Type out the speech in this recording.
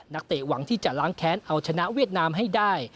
เตะหวังที่จะล้างแค้นเอาชนะเวียดนามให้ได้